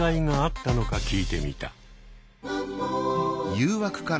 誘惑から？